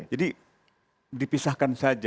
jadi dipisahkan saja